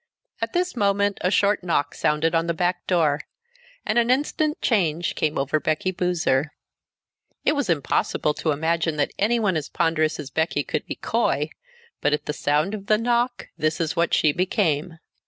At this moment a short knock sounded on the back door, and an instant change came over Becky Boozer. It was impossible to imagine that anyone as ponderous as Becky could be coy, but at the sound of the knock, this is what she became.